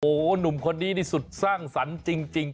โอ้โหหนุ่มคนนี้นี่สุดสร้างสรรค์จริง